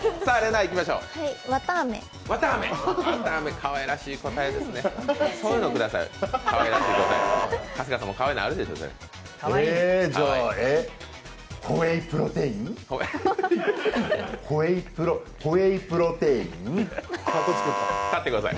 かわいらしい答えですよね、そういうのください。